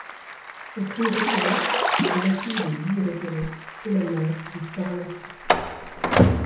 Catherine Rétoré est la fille de Guy Rétoré, et la mère de Sara Llorca.